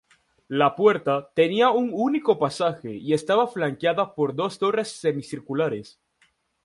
La puerta tenía un único pasaje y estaba flanqueada por dos torres semicirculares.